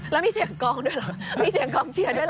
แล้วมีเสียงกองด้วยเหรอมีเสียงกองเชียร์ด้วยเหรอ